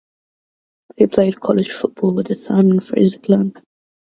He played college football with the Simon Fraser Clan.